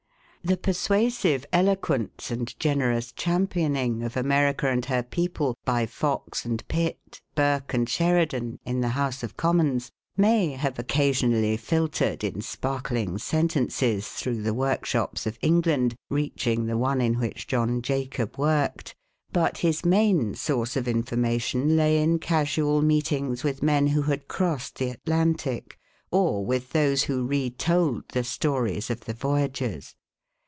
The persuasive eloquence and generous champion ing of America and her people by Fox and Pitt, Burke and Sheridan in the House of Commons, may have oe casionally filtered in sparkling sentences through the work shoi:)S of England, reaching the one in which 42 England and America John Jacob worked; but his main source of informa tion lay in casual meetings with men who had crossed the Atlantic, or with those who re told the stories of the voyagers.